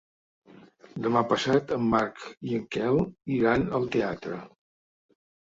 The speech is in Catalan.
Demà passat en Marc i en Quel iran al teatre.